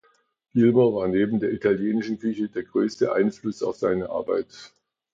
Gilmore war neben der italienischen Küche der größte Einfluss auf seine Arbeit.